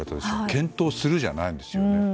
検討するじゃないんですよね。